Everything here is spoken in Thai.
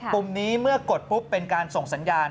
ปุ่มนี้เมื่อกดปุ๊บเป็นการส่งสัญญาณ